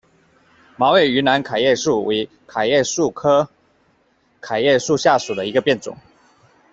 毛叶云南桤叶树为桤叶树科桤叶树属下的一个变种。